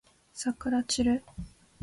さくらちる